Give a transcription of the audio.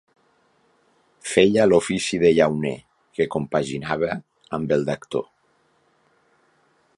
Feia l'ofici de llauner, que compaginava amb el d'actor.